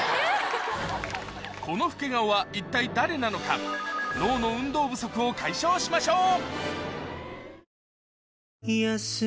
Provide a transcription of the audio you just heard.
この老け顔は一体誰なのか脳の運動不足を解消しましょう